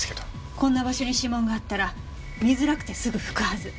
こんな場所に指紋があったら見づらくてすぐ拭くはず。